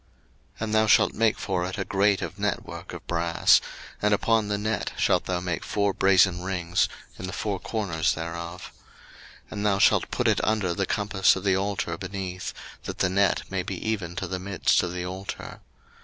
02:027:004 And thou shalt make for it a grate of network of brass; and upon the net shalt thou make four brasen rings in the four corners thereof. 02:027:005 And thou shalt put it under the compass of the altar beneath, that the net may be even to the midst of the altar.